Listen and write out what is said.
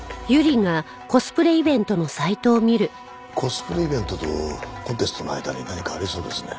コスプレイベントとコンテストの間に何かありそうですね。